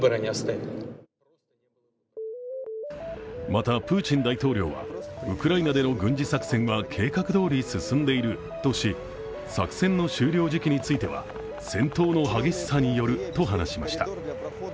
また、プーチン大統領はウクライナでの軍事作戦は計画どおり進んでいるとし作戦の終了時期については戦闘の激しさによると話しました。